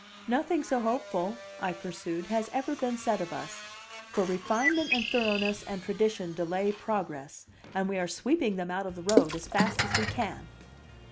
"Nothing so hopeful," I pursued, "has ever been said of us. For refinement and thoroughness and tradition delay progress, and we are sweeping them out of the road as fast as we can."